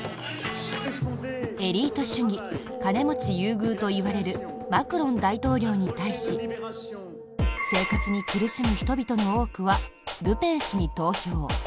エリート主義金持ち優遇といわれるマクロン大統領に対し生活に苦しむ人々の多くはルペン氏に投票。